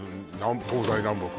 東西南北